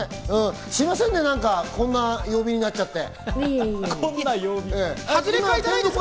すみませんね、こんな曜日になっちゃって。